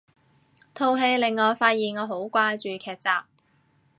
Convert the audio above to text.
套戲令我發現我好掛住劇集